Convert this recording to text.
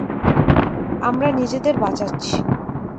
আমরা নিজেদের বাঁচাচ্ছি।